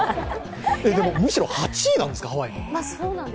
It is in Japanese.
でもむしろ８位なんですか、ハワイ。